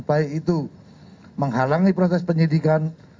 baik itu menghalangi proses penyidikan